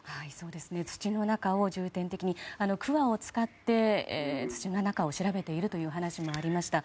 土の中を重点的にくわを使って土の中を調べているという話もありました。